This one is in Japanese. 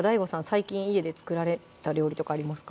最近家で作られた料理とかありますか？